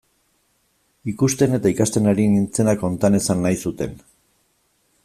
Ikusten eta ikasten ari nintzena konta nezan nahi zuten.